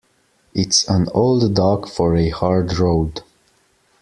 It's an old dog for a hard road.